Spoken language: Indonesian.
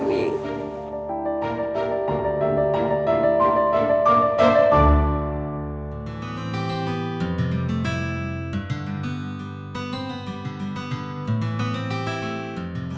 sampai jumpa lagi